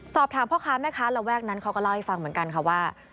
สอบถามพ่อค้าแม่ค้าระแวกนั้นเขาก็เล่าให้ฟังเหมือนกันค่ะว่า